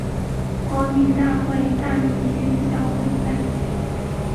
国民大会大明星小跟班